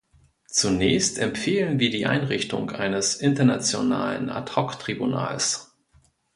Zunächst empfehlen wir die Einrichtung eines internationalen Ad-hoc-Tribunals.